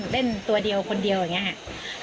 ตัวเดียวคนเดียวอย่างนี้ค่ะ